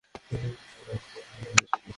তিনি অন্ত, তাই তার পরে কিছু নেই।